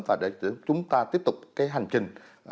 và để chúng ta tiếp tục cái hành trình